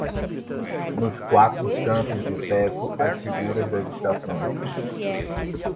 Nos quatro cantos do teto as figuras das estações